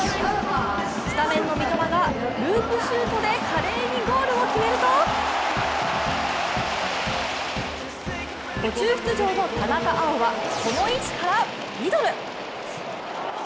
スタメンの三笘がループシュートで華麗にゴールを決めると途中出場の田中碧はこの位置からミドル！